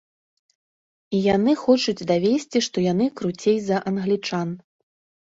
І яны хочуць давесці, што яны круцей за англічан.